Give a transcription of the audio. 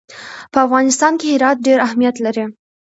په افغانستان کې هرات ډېر اهمیت لري.